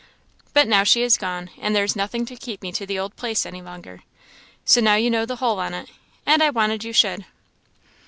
But now she is gone, and there is nothing to keep me to the old place any longer. So now you know the hull on it, and I wanted you should."